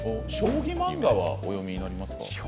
将棋漫画はお読みになりますか。